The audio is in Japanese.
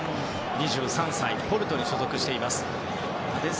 ２３歳ポルトに所属しています。